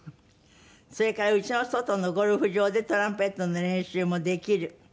それから家の外のゴルフ場でトランペットの練習もできる。